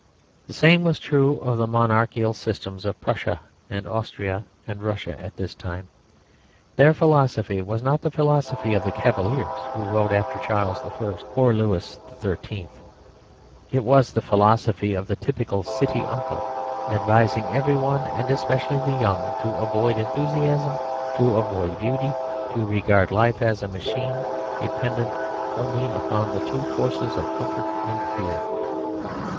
The same was true of the monarchical systems of Prussia and Austria and Russia at this time. Their philosophy was not the philosophy of the cavaliers who rode after Charles I. or Louis XIII. It was the philosophy of the typical city uncle, advising every one, and especially the young, to avoid enthusiasm, to avoid beauty, to regard life as a machine, dependent only upon the two forces of comfort and fear.